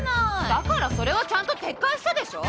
だからそれはちゃんと撤回したでしょ！